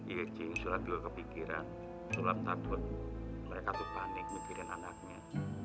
iya cing sholat juga kepikiran sulap takut mereka tuh panik mikirin anaknya